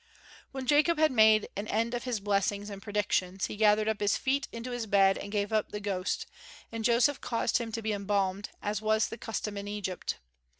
When Jacob had made an end of his blessings and predictions he gathered up his feet into his bed and gave up the ghost, and Joseph caused him to be embalmed, as was the custom in Egypt.